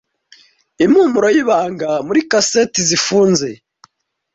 impumuro y'ibanga muri kaseti zifunze